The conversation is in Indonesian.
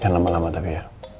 lama lama tapi ya